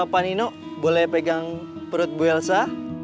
pak nino boleh pegang perut bu elsa